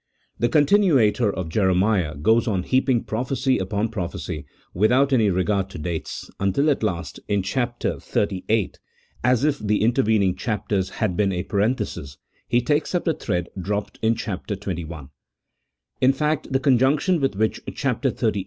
The contirmator of Jere miah goes on heaping prophecy upon prophecy without any regard to dates, until at last, in chap, xxxviii. (as if the in tervening chapters had been a parenthesis), he takes up the thread dropped in chap. xxi. In fact, the conjunction with which chap, xxxviii.